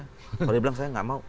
kalau dia bilang saya nggak mau